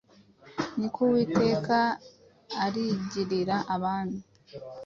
niko Uwiteka arigirira abami